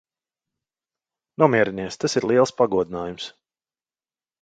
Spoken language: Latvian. Nomierinies. Tas ir liels pagodinājums.